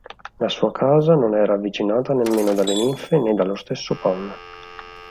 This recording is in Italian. La sua casa non era avvicinata nemmeno dalle ninfe né dallo stesso Pan.